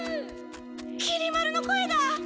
きり丸の声だ！